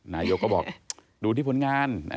นายกก็บอกดูที่ผลงาน